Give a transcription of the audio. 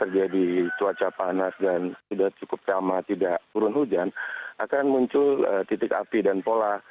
jadi cuaca panas dan sudah cukup calma tidak turun hujan akan muncul titik api dan pola